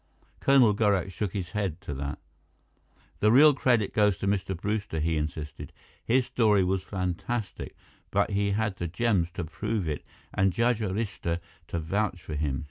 Colonel Gorak shook his head to that. "The real credit goes to Mr. Brewster," he insisted. "His story was fantastic, but he had the gems to prove it and Judge Arista to vouch for him.